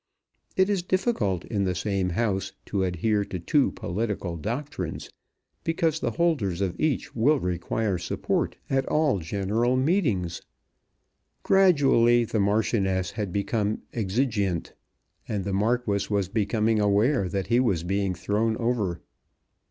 It is difficult in the same house to adhere to two political doctrines, because the holders of each will require support at all general meetings. Gradually the Marchioness had become exigeant, and the Marquis was becoming aware that he was being thrown over.